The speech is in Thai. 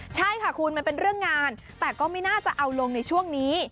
ใช่ค่ะคุณมันเป็นเรื่องงานแต่ก็ไม่น่าจะเอาลงในช่วงนี้